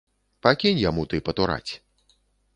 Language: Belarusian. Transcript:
Пакінь яму ты патураць.